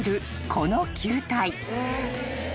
この球体］